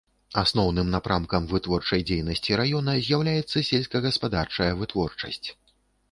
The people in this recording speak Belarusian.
Асноўным напрамкам вытворчай дзейнасці раёна з'яўляецца сельскагаспадарчая вытворчасць.